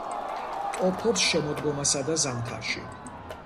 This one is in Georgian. ტოფობს შემოდგომასა და ზამთარში.